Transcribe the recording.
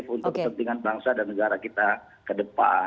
untuk kepentingan bangsa dan negara kita ke depan